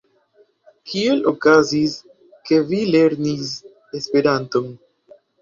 Kiel okazis, ke vi lernis Esperanton?